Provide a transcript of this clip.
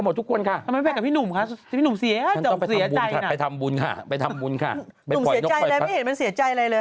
ไม่เห็นมันเสียใจไหมเลย